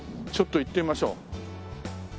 ちょっと行ってみましょう。